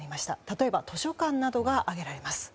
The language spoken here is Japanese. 例えば、図書館などが挙げられます。